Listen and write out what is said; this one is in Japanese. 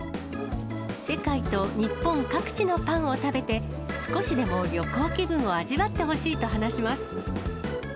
世界と日本各地のパンを食べて、少しでも旅行気分を味わってほしいと話します。